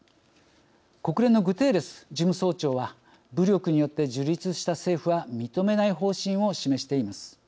国連のグテーレス事務総長は武力によって樹立した政府は認めない方針を示しています。